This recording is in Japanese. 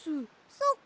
そっか。